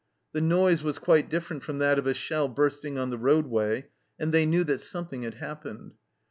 The noise was quite different from that of a shell bursting on the roadway, and they knew that something had happened.